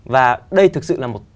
và đây thực sự là một